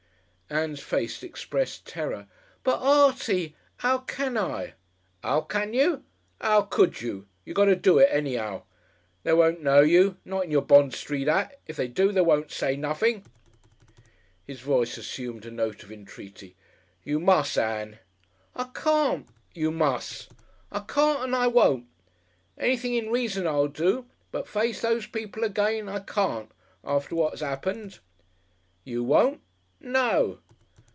Ann's face expressed terror. "But, Artie, 'ow can I?" "'Ow can you? 'Ow could you? You got to do it, any'ow. They won't know you not in your Bond Street 'at! If they do, they won't say nothing." His voice assumed a note of entreaty. "You mus', Ann." "I can't." "You mus'." "I can't and I won't. Anything in reason I'll do, but face those people again I can't after what 'as 'appened." "You won't?" "No!"...